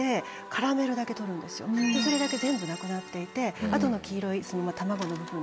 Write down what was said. それだけ全部なくなっていて後の黄色い卵の部分ですか？